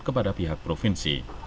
kepada pihak provinsi